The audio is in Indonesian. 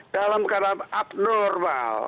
dalam keadaan abnormal